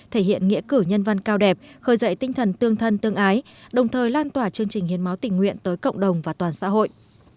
thể hiện nghĩa cử nhân văn cao đẹp khởi dậy tinh thần tương thân tương ái đồng thời lan tỏa chương trình hiến máu tình nguyện tới cộng đồng và toàn xã hội